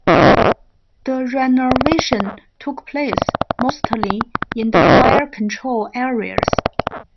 The renovation took place mostly in the fare control areas.